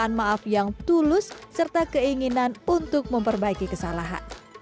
kedua dia meminta maaf yang tulus serta keinginan untuk memperbaiki kesalahan